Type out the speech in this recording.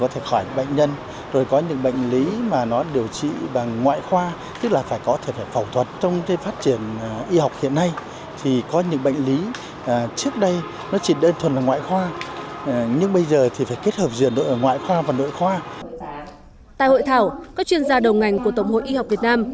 tại hội thảo các chuyên gia đầu ngành của tổng hội y học việt nam